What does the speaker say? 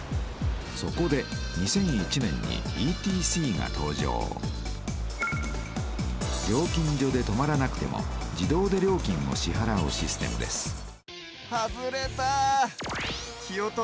そこで２００１年にＥＴＣが登場料金所で止まらなくても自動で料金を支はらうシステムです